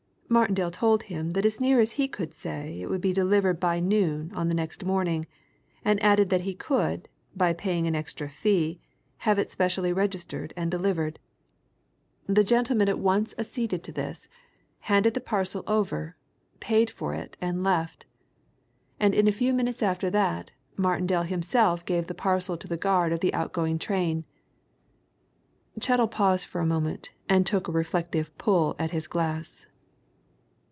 Martindale told him that as near as he could say it would be delivered by noon on the next morning, and added that he could, by paying an extra fee, have it specially registered and delivered. The gentleman at once acceded to this, handed the parcel over, paid for it, and left. And in a few minutes after that, Martindale himself gave the parcel to the guard of the outgoing train." Chettle paused for a moment, and took a reflective pull at his glass.